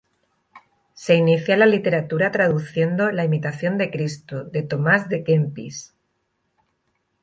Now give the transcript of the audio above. Se inicia en la literatura traduciendo la ""Imitación de Cristo"" de Tomás de Kempis.